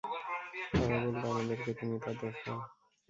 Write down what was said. তারা বলল, আমাদেরকে তুমি তা দেখাও।